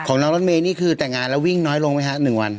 น้องรถเมย์นี่คือแต่งงานแล้ววิ่งน้อยลงไหมฮะ๑วัน